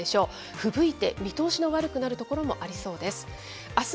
ふぶいて見通しの悪くなる所もありそうです。